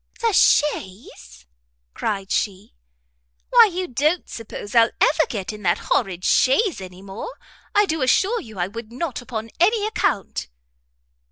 "The chaise?" cried she, "why you don't suppose I'll ever get into that horrid chaise any more? I do assure you I would not upon any account."